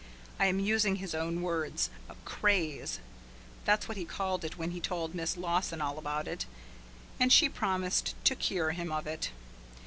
I am using his own words a "craze" that's what he called it when he told Miss Lawson all about it, and she promised to cure him of it.